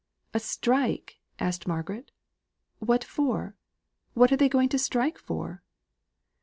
"A strike!" asked Margaret. "What for? What are they going to strike for?"